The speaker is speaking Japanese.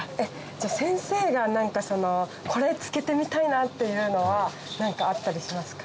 先生が何かそのこれ漬けてみたいなっていうのは何かあったりしますか？